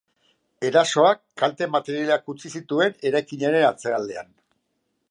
Erasoak kalte materialak utzi zituen eraikinaren atzealdean.